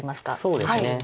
そうですね。